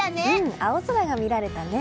青空が見られたね。